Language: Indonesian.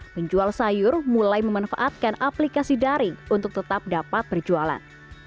penjual sayur mulai memanfaatkan aplikasi daring untuk tetap dapat berjualan